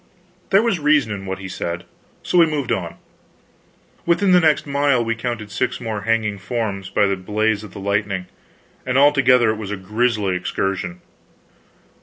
There was reason in what he said, so we moved on. Within the next mile we counted six more hanging forms by the blaze of the lightning, and altogether it was a grisly excursion.